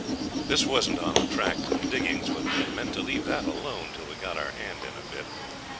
This wasn't on the track to the diggings, but we meant to leave that alone till we got our hand in a bit.